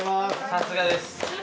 さすがです。